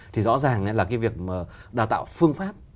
thì rõ ràng là cái việc đào tạo phương pháp